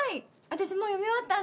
私もう読み終わったんで。